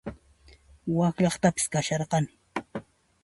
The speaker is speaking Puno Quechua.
Wak llaqtapis kashasqani